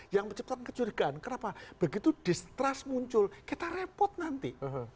yang menciptakan kecurigaan kenapa begitu distrust muncul kita repot nanti